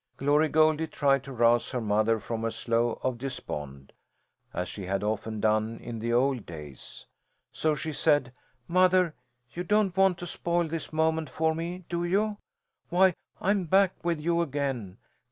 Glory Goldie tried to rouse her mother from her slough of despond, as she had often done in the old days. So she said: "Mother, you don't want to spoil this moment for me, do you? Why, I'm back with you again!